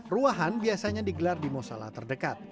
ruahan biasanya digelar di musalah terdekat